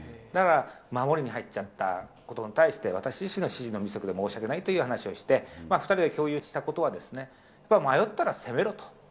だから、守りに入っちゃったことに対して、私自身の指示のミスで申し訳ないという話をして、２人で共有したことは、迷ったら攻めろと。